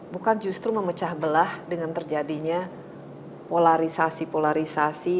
bukan justru memecah belah dengan terjadinya polarisasi polarisasi